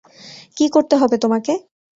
কী করতে হবে তোমাকে?